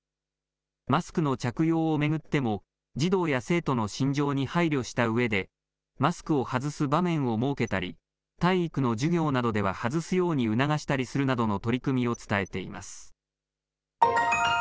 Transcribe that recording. マスクの着用を巡っても、児童や生徒の心情に配慮したうえで、マスクを外す場面を設けたり、体育の授業などでは外すように促したりするなどの取り組みを伝えています。